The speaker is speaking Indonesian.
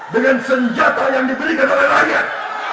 dengan senjata yang diberikan oleh rakyat